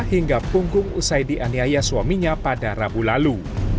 hingga punggung usaidiy aniaya suaminya pada rabu lalu